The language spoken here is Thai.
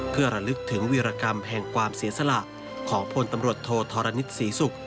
เพื่อระลึกถึงวิรกรรมแห่งความเสียสละของพลตำรวจโทษธรณิตศรีศุกร์